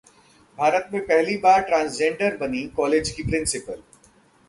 भारत में पहली बार ट्रांसजेंडर बनीं कॉलेज की प्रिंसिपल